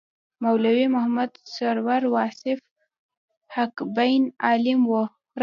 مولوي محمد سرور واصف حقبین عالم و.